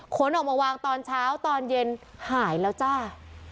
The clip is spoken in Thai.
ขนออกมาวางตอนเช้าตอนเย็นหายแล้วจ้า